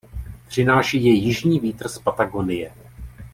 Přináší je jižní vítr z Patagonie.